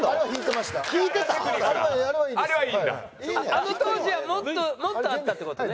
あの当時はもっともっとあったって事ね。